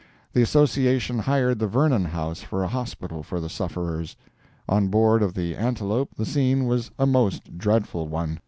The Association hired the Vernon House for a hospital for the sufferers. On board of the Antelope the scene was a most dreadful one.